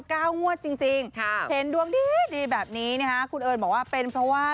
ก้าวงวดจริงเห็นดวงดีนะคุณเอิ้นบอกว่าเป็นเพราะว่า